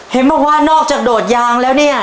เห็นบอกว่านอกจากโดดยางแล้วเนี่ย